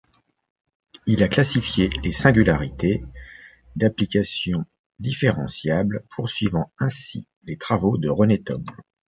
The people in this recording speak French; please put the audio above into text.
Il a classifié les singularités d'applications différentiables, poursuivant ainsi les travaux de René Thom.